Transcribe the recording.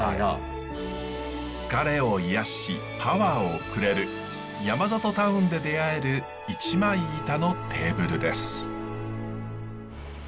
疲れを癒やしパワーをくれる山里タウンで出会える一枚板のテーブルです。